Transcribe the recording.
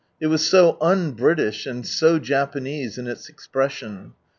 It was so un Britiah and so Japanese in ils expression